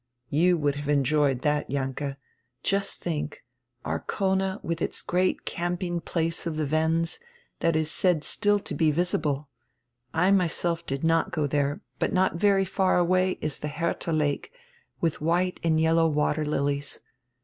You would have enjoyed that, Jahnke. Just think, Arcona with its great camping place of the Wends, that is said still to be visible. I myself did not go there, but not very far away is the Hertiia Lake with white and yellow water lilies.